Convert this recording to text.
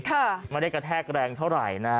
ค่ะมันไม่ได้กระแทกแล่งเท่าไหร่นะ